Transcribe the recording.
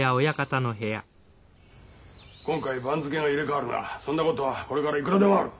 今回番付が入れ代わるがそんなことはこれからいくらでもある。